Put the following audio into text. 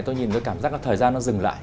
tôi nhìn với cảm giác là thời gian nó dừng lại